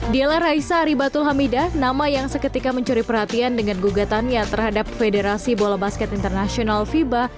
dialah raisa aribatul hamidah nama yang seketika mencuri perhatian dengan gugatannya terhadap federasi bola basket internasional fiba